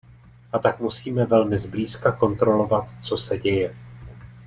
A tak musíme velmi zblízka kontrolovat, co se děje.